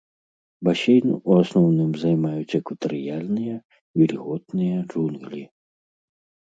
Басейн у асноўным займаюць экватарыяльныя вільготныя джунглі.